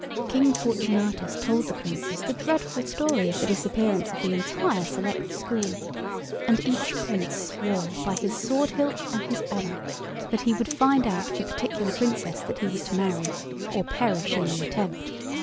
King Fortunatus told the Princes the dreadful story of the disappearance of the entire Select School; and each Prince swore by his sword hilt and his honour that he would find out the particular Princess that he was to marry, or perish in the attempt.